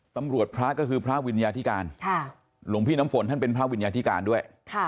พระก็คือพระวิญญาธิการหลวงพี่น้ำฝนท่านเป็นพระวิญญาธิการด้วย